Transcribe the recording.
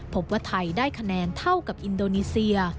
พบว่าไทยได้คะแนนเท่ากับอินโดนีเซีย